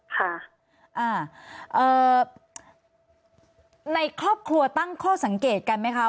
ค่ะอ่าในครอบครัวตั้งข้อสังเกตกันไหมคะ